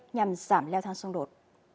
nhằm giảm leo thang xung đột